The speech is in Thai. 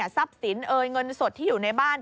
ทรัพย์สินเอ่ยเงินสดที่อยู่ในบ้าน